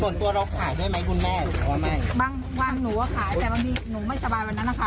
ส่วนตัวเราขายด้วยไหมคุณแม่ไม่บางวันหนูก็ขายแต่บางทีหนูไม่สบายวันนั้นนะคะ